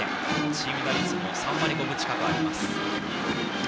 チーム打率も３割５分近くあります。